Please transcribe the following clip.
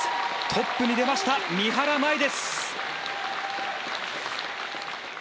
トップに出ました、三原舞依。